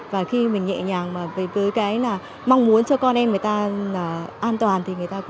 và khi mình nhẹ nhàng với cái là mong muốn cho con em người ta an toàn